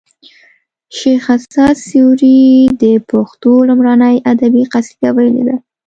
شیخ اسعد سوري د پښتو لومړنۍ ادبي قصیده ویلې ده